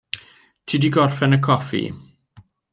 Ti 'di gorffan y coffi.